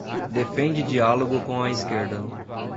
defende diálogo com a esquerda